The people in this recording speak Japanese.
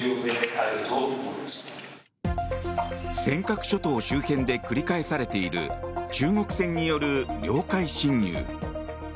尖閣諸島周辺で繰り返されている中国船による領海侵入。